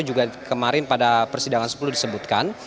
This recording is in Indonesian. juga kemarin pada persidangan sepuluh disebutkan